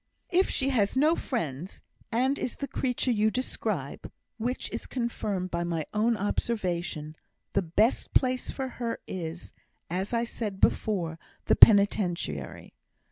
"If she has no friends, and is the creature you describe (which is confirmed by my own observation), the best place for her is, as I said before, the Penitentiary.